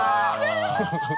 すごい！